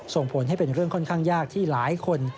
ส่งผลให้เป็นเรื่องค่อนข้างยากที่หลายคน